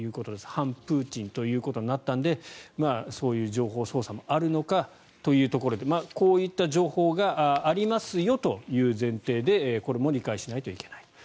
反プーチンということになったのでそういう情報操作もあるのかということでこういった情報がありますよという前提でこれも理解しないといけない。